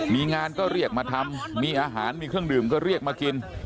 มีงานก็เรียกมาทำมีอาหารมีเครื่องดื่มก็เรียกมากิน